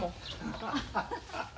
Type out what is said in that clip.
ハハハハ。